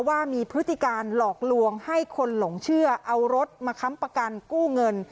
ว่ามีพฤติการหลอกลวงให้คนหลงเชื่อเอารถมาค้ำประกันกู้เงิน